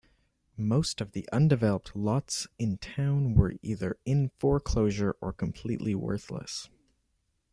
Most of the undeveloped lots in town were either in foreclosure or completely worthless.